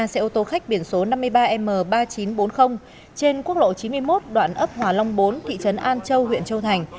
xe ô tô khách biển số năm mươi ba m ba nghìn chín trăm bốn mươi trên quốc lộ chín mươi một đoạn ấp hòa long bốn thị trấn an châu huyện châu thành